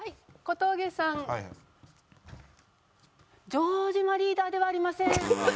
城島リーダーではありません。